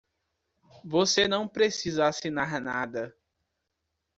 Você não precisa assinar nada.